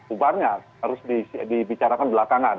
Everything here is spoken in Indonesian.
ubarnya harus dibicarakan belakangan